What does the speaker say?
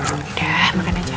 udah makan aja